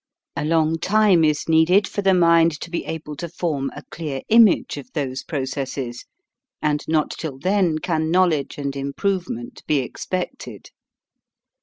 A long time is needed for the mind to be able to form a clear image of those processes, and not till then can knowledge and improvement be expected.